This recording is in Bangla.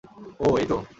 অহ, এইতো!